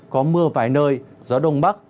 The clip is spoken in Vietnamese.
có mưa vài nơi gió đông bắc